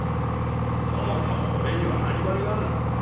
そもそも俺にはアリバイがある。